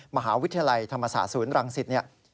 มหาวิทยาลัยธรรมศาสตร์ศูนย์รังศิษฐ์